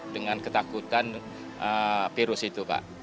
dengan ketakutan virus itu pak